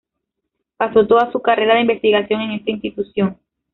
Pasó toda su carrera de investigación en esta institución.